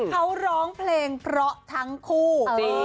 เขาร้องเพลงเพราะทั้งคู่